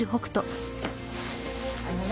あのね